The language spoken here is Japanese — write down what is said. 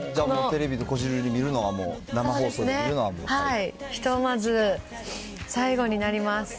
テレビでこじるり見るのはもう、はい、ひとまず、最後になります。